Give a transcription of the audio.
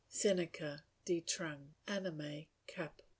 Seneca De Trang: Animi, cap.